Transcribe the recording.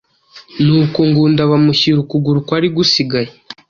Nuko Ngunda bamushyira ukuguru kwari gusigaye